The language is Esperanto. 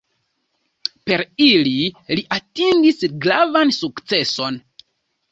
Per ili li atingis gravan sukceson.